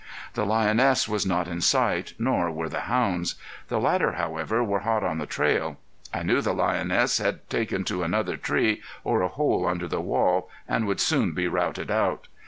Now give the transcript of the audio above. The lioness was not in sight, nor were the hounds. The latter, however, were hot on the trail. I knew the lioness had taken to another tree or a hole under the wall, and would soon be routed out.